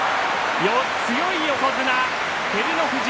強い横綱照ノ富士。